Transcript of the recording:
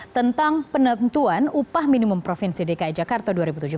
tentang penentuan upah minimum provinsi dki jakarta dua ribu tujuh belas